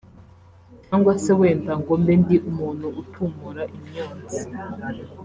cyangwa se wenda ngo mbe ndi umuntu utumura imyonsi